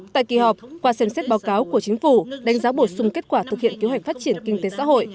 tại kỳ họp qua xem xét báo cáo của chính phủ đánh giá bổ sung kết quả thực hiện kế hoạch phát triển kinh tế xã hội